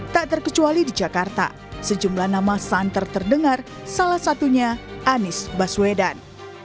tak terkecuali di jakarta sejumlah nama santer terdengar salah satunya anies baswedan